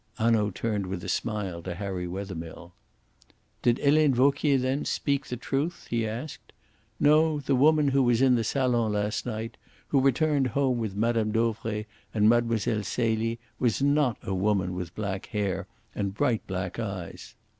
Hanaud turned with a smile to Harry Wethermill. "Did Helene Vauquier, then, speak the truth?" he asked. "No; the woman who was in the salon last night, who returned home with Mme. Dauvray and Mlle. Celie, was not a woman with black hair and bright black eyes.